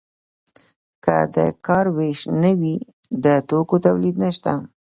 که د کار ویش نه وي د توکو تولید نشته.